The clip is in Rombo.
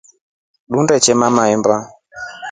Tunetema mahemba.